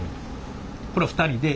これ２人で？